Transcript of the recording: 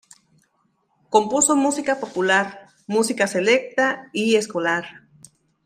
Compuso música popular, música selecta y escolar.